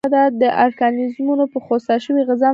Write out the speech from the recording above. دا ارګانیزمونه په خوسا شوي غذایي موادو ژوند کوي.